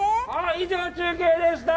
以上、中継でした！